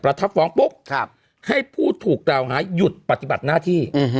ประทับฟ้องปุ๊บครับให้ผู้ถูกตาวหายหยุดปฏิบัติหน้าที่อืม